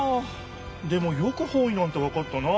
でもよく方位なんてわかったな。